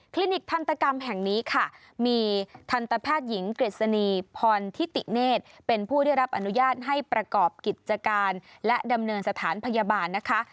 นิกทันตกรรมแห่งนี้ค่ะมีทันตแพทย์หญิงกฤษณีพรทิติเนธเป็นผู้ได้รับอนุญาตให้ประกอบกิจการและดำเนินสถานพยาบาลนะคะ